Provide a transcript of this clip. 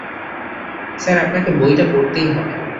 Sir, আপনাকে বইটা পড়তেই হবে।